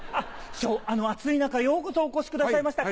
師匠暑い中ようこそお越しくださいました。